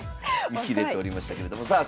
見切れておりましたけれどもさあ